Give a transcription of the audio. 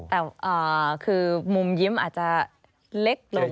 แต่คือมุมยิ้มอาจจะเล็กลง